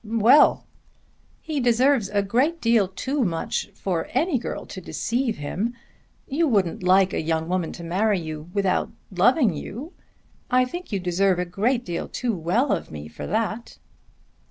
"Well!" "He deserves a great deal too much for any girl to deceive him. You wouldn't like a young woman to marry you without loving you. I think you deserve a great deal too well of me for that."